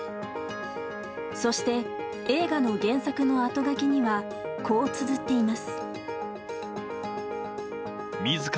そして、映画の原作の後書きにはこうつづっています。